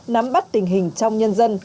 nắm bắt tình hình trong nhân dân